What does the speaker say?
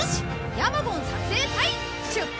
ヤマゴン撮影隊出発！